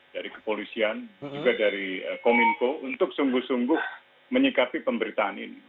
dari kepolisian juga dari kominfo untuk sungguh sungguh menyikapi pemberitaan ini